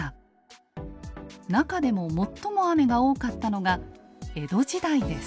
中でも最も雨が多かったのが江戸時代です。